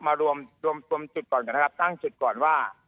มารวมรวมจุดก่อนนะครับตั้งจุดก่อนว่า